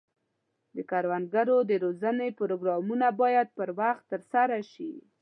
د کروندګرو د روزنې پروګرامونه باید پر وخت ترسره شي.